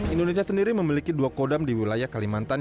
indonesia sendiri memiliki dua kodam di wilayah kalimantan